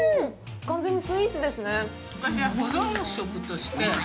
完全にスイーツですね。